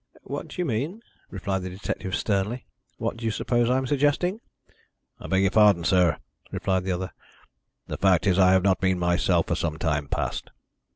"What do you mean?" replied the detective sternly. "What do you suppose I am suggesting?" "I beg your pardon, sir," replied the other. "The fact is I have not been myself for some time past."